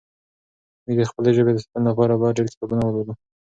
موږ د خپلې ژبې د ساتنې لپاره باید ډېر کتابونه ولولو.